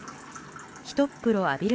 ひとっ風呂浴びる